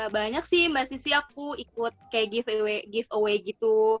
banyak sih mbak sisi aku ikut giveaway gitu